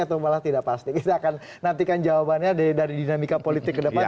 atau malah tidak pasti kita akan nantikan jawabannya dari dinamika politik ke depan